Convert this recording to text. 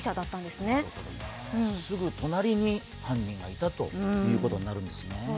すぐ隣に犯人がいたということなんですね。